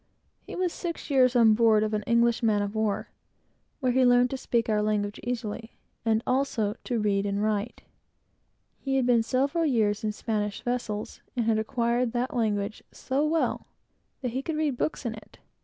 He was six years on board of an English man of war, where he learned to speak our language with ease, and also to read and write it. He had been several years in Spanish vessels, and had acquired that language so well, that he could read any books in it.